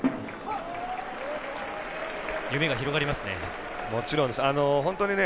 夢が広がりますね。